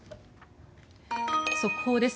速報です。